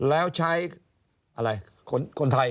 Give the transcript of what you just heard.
แล้วใช้อะไรคนไทย